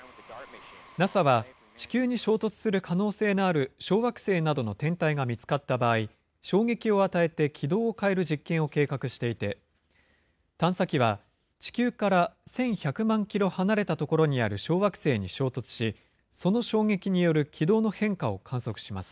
ＮＡＳＡは、地球に衝突する可能性のある小惑星などの天体が見つかった場合、衝撃を与えて軌道を変える実験を計画していて、探査機は、地球から１１００万キロ離れた所にある小惑星に衝突し、その衝撃による軌道の変化を観測します。